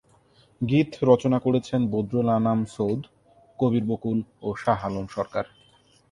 গীত রচনা করেছেন বদরুল আনাম সৌদ, কবির বকুল ও শাহ আলম সরকার।